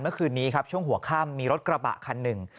เมื่อคืนนี้ครับช่วงหัวข้ามมีรถกระบะคันหนึ่ง